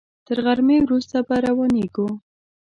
تر غرمې وروسته به روانېږو.